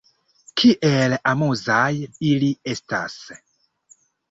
Kiel amuzaj ili estas!